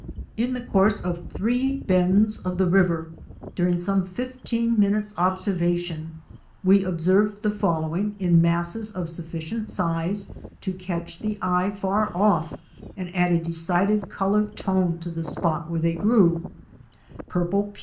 In the course of three bends of the river, during some fifteen minutes' observation, we observed the following in masses of sufficient size to catch the eye far off and add a decided color tone to the spot where they grew: purple pea Fic.